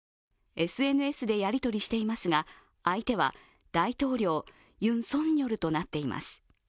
ＳＮＳでやり取りしていますが相手は「大統領ユン・ソンニョル」となっています。